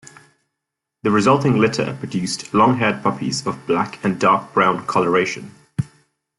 The resulting litter produced longhaired puppies of black and dark brown coloration.